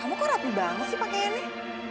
kamu kok rapi banget sih pakaiannya